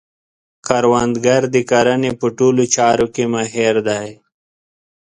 کروندګر د کرنې په ټولو چارو کې ماهر دی